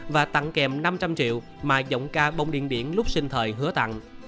và tặng kèm năm trăm linh triệu mà giọng ca bông điện biển lúc sinh thời hứa tặng